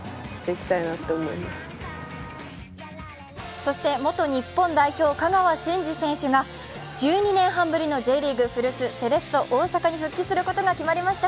そして元日本代表、香川真司選手が１２年半ぶりのＪリーグ古巣セレッソ大阪に復帰することが分かりました。